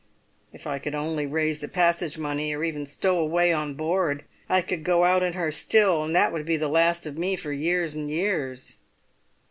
If I could only raise the passage money, or even stow away on board, I could go out in her still, and that would be the last of me for years and years!"